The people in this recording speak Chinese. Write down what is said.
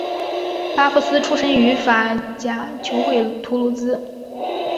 巴夫斯出身于法甲球会图卢兹。